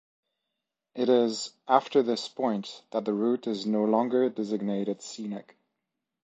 It is after this point that the route is no longer designated scenic.